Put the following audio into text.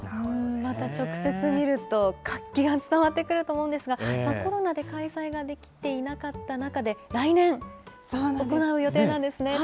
また直接見ると活気が伝わってくると思うんですが、コロナで開催ができていなかった中で、来年、行う予定なんですね。